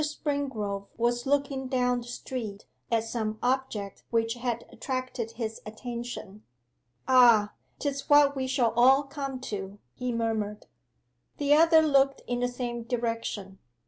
Springrove was looking down the street at some object which had attracted his attention. 'Ah, 'tis what we shall all come to!' he murmured. The other looked in the same direction.